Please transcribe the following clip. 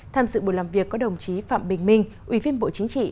tham dự buổi làm việc có đồng chí phạm bình minh ủy viên bộ chính trị